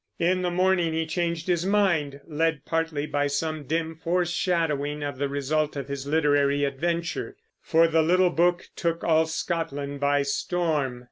In the morning he changed his mind, led partly by some dim foreshadowing of the result of his literary adventure; for the little book took all Scotland by storm.